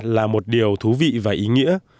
là một điều thú vị và ý nghĩa